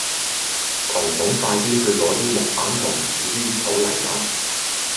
彤彤快啲去攞啲木板同紙黏土嚟啦